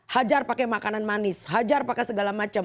hajar pakai makanan manis hajar pakai segala macam